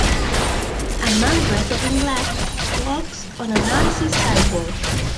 A man dressed in black walks on an icy sidewalk